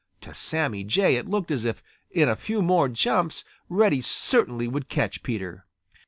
To Sammy Jay it looked as if in a few more jumps Reddy certainly would catch Peter.